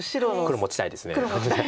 黒持ちたいです。